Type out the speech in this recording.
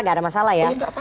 gak ada masalah ya